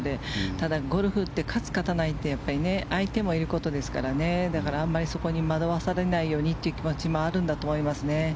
ただゴルフって勝つ勝たないって相手がいることですからだからあまりそこに気持ちも惑わされないようにというあるんだと思いますね。